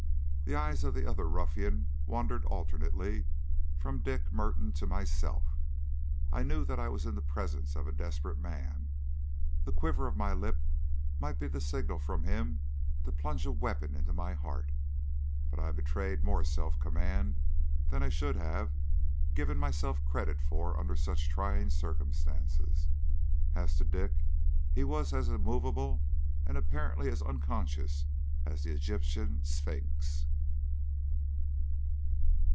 The eyes of the other ruffian wandered alternately from Dick Merton to myself. I knew that I was in the presence of a desperate man, that a quiver of my lip might be the signal for him to plunge a weapon into my heart, but I betrayed more self command than I should have given myself credit for under such trying circumstances. As to Dick, he was as immovable and apparently as unconscious as the Egyptian Sphinx.